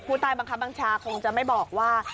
ผู้ตายบระคับบังชาคงจะไม่บอกว่า